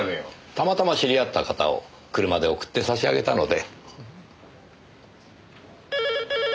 たまたま知り合った方を車で送って差し上げたので。